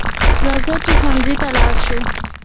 راځه چې ښوونځي ته لاړ شو